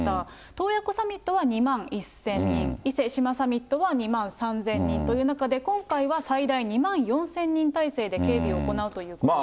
洞爺湖サミットは２万１０００人、伊勢志摩サミットは２万３０００人という中で、今回は最大２万４０００人態勢で警備を行うということです。